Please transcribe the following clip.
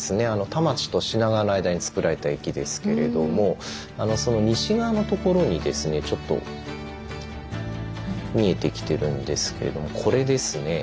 田町と品川の間につくられた駅ですけれどもその西側のところにですねちょっと見えてきてるんですけれどもこれですね。